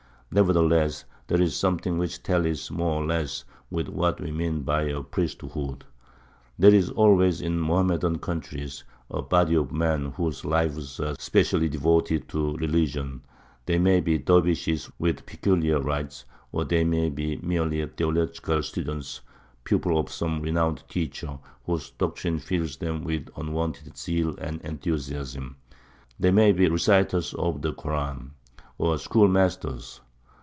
Nevertheless, there is something which tallies more or less with what we mean by a priesthood. There is always in Mohammedan countries a body of men whose lives are specially devoted to religion; they may be dervishes with peculiar rites, or they may be merely theological students, pupils of some renowned teacher, whose doctrine fills them with unwonted zeal and enthusiasm; they may be reciters of the Koran, or school masters.